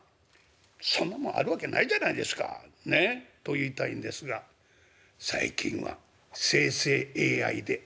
「そんなもんあるわけないじゃないですかねっ。と言いたいんですが最近は生成ＡＩですごいものが出来ました。